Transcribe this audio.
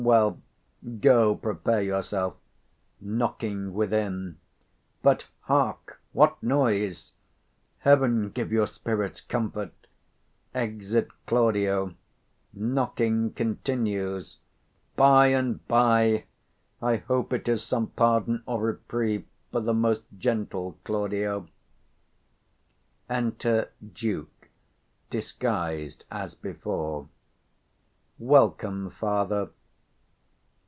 Well, go, prepare yourself. [Knocking within.] But, hark, what noise? Heaven give your spirits comfort! [Exit Clandio.] By and by. 65 I hope it is some pardon or reprieve For the most gentle Claudio. Enter DUKE disguised as before. Welcome, father.